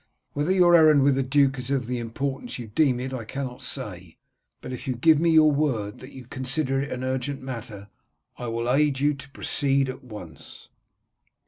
Whether your errand with the duke is of the importance you deem it I cannot say, but if you give me your word that you consider it an urgent matter, I will aid you to proceed at once."